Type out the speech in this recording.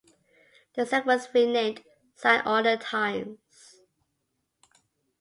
The set was renamed "Sign o' the Times".